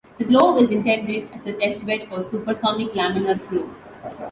The glove is intended as a testbed for supersonic laminar flow.